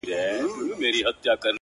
• سندره ,